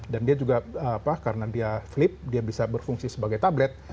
dan dia juga pak karena dia flip dia bisa berfungsi sebagai tablet